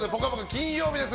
金曜日です。